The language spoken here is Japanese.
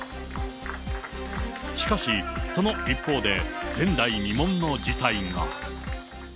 しかし、その一方で、前代未聞の事態が。